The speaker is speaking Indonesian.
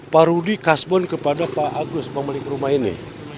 pak rudi kasbon kepada pak agus pemilik rumah ini